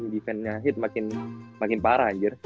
defendnya di heat makin parah anjir